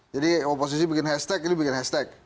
jadi oposisi bikin hashtag ini bikin hashtag